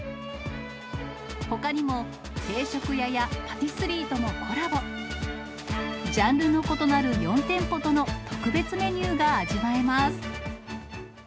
ほかにも、定食屋やパティスリーともコラボ、ジャンルの異なる４店舗との特別メニューが味わえます。